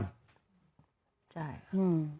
ใช่